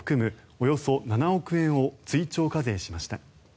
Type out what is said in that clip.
およそ７億円を追徴課税しました。